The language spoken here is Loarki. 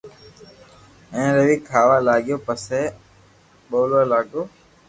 ھين روي کاھ وا لاگيو پسي ٻولئا لاگآو